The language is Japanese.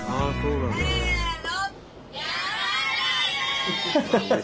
せの。